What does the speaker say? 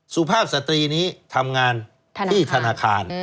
สุภาพสตรีนี้ทำงานที่ธนาคาร